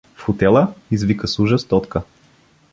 — В хотела? — извика с ужас Тотка.